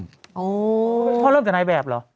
พี่ป๋องเพราะเริ่มกับนายแบบเหรอ